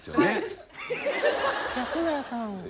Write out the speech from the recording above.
安村さん。